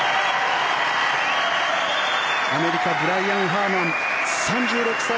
アメリカブライアン・ハーマン、３６歳。